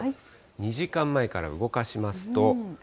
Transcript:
２時間前から動かしますと。